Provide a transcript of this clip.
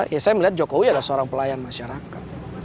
ya saya melihat jokowi adalah seorang pelayan masyarakat